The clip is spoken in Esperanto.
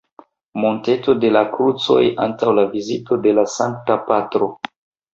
Monteto de la Krucoj antaŭ la vizito de la Sankta Patro.